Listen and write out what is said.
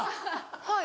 はい。